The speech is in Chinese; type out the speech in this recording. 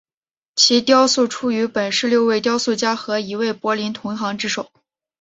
其雕塑出于本市六位雕塑家和一位柏林同行之手。